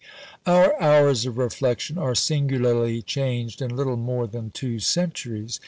Our hours of refection are singularly changed in little more than two centuries.